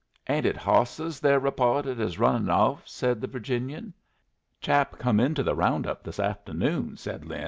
"Ain't it hawses the're repawted as running off?" said the Virginian. "Chap come into the round up this afternoon," said Lin.